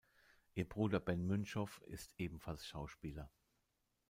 Ihr Bruder Ben Münchow ist ebenfalls Schauspieler.